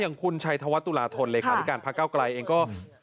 อย่างคุณชัยธวรรษตุลาธนหรือความพิการพระก้าวไกลเองก็